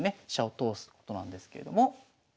飛車を通すことなんですけれども。